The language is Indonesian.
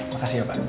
makasih ya pak